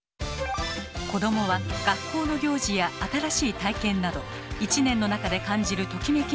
子どもは学校の行事や新しい体験など１年の中で感じるトキメキが多い。